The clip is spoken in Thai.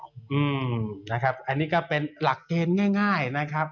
อืมนะครับอันนี้ก็เป็นหลักเกณฑ์ง่ายนะครับ